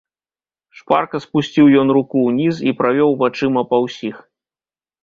Шпарка спусціў ён руку ўніз і правёў вачыма па ўсіх.